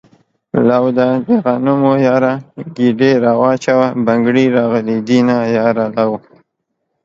لو ده دغنمو ياره ګيډی را واچوه بنګړي راغلي دينه ياره لو